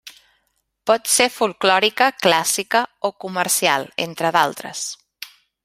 Pot ser folklòrica, clàssica o comercial, entre d'altres.